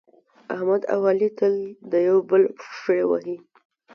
احمد او علي تل یو د بل پښې وهي.